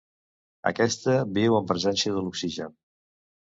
Aquesta viu en presència de l'oxigen.